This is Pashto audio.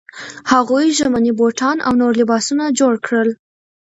هغوی ژمني بوټان او نور لباسونه جوړ کړل.